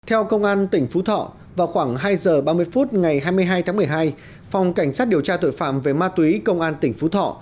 theo công an tỉnh phú thọ vào khoảng hai giờ ba mươi phút ngày hai mươi hai tháng một mươi hai phòng cảnh sát điều tra tội phạm về ma túy công an tỉnh phú thọ